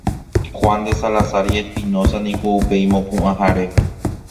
Juan de Salazar y Espinoza niko upe imopuʼãhare.